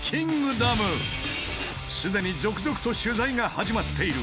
既に続々と取材が始まっている！